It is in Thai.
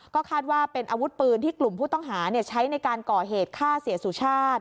ก็คาดว่าเป็นอาวุธปืนที่กลุ่มผู้ต้องหาใช้ในการก่อเหตุฆ่าเสียสุชาติ